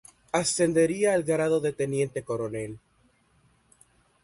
Ascendería al grado de teniente coronel.